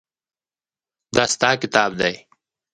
دا ستا کتاب دی.